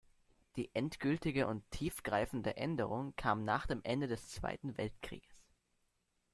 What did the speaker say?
Die endgültige und tiefgreifende Änderung kam nach dem Ende des Zweiten Weltkrieges.